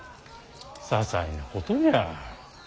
ささいなことじゃ。